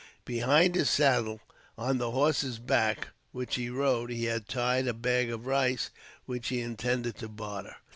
Behind his saddle, on the horse's back which he rode, he had tied a bag of rice which he had intended to barter.